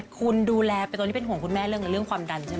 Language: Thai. คุณดูแลไปตอนนี้เป็นห่วงคุณแม่เรื่องความดันใช่ไหม